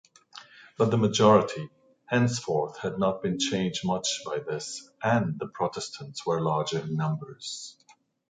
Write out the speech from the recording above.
But the majority, henceforth, had not been changed much by this and the protestants were larger in numbers.